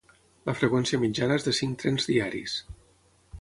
La freqüència mitjana és de cinc trens diaris.